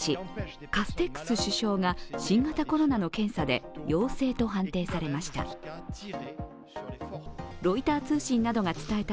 カステックス首相が新型コロナの検査で陽性と判定されました。